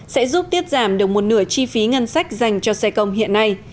sẽ giúp tiết giảm được một nửa chi phí ngân sách dành cho xe công hiện nay